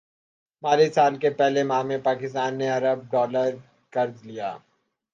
مالی سال کے پہلے ماہ میں پاکستان نے ارب ڈالر قرض لیا